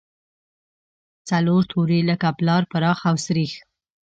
څلور توري لکه پلار، پراخ او سرېښ.